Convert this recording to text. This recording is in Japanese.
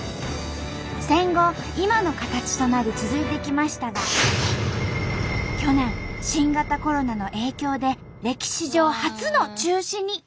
戦後今の形となり続いてきましたが去年新型コロナの影響で歴史上初の中止に。